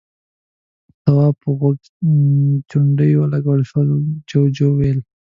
د تواب په غوږ چونډۍ ولګول شوه، جُوجُو وويل: